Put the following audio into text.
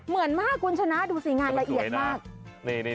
เหมือนมากคุณชนะดูสิงานละเอียดมาก